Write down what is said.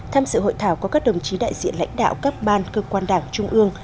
tham sự hội thảo có các đồng chí đại diện lãnh đạo các ban cơ quan đảng trung ương